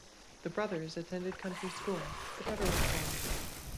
The brothers attended country school but never went to college.